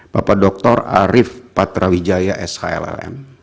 bapak doktor arief patramwijaya shlm